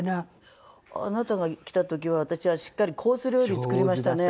あなたが来た時は私はしっかりコース料理作りましたね。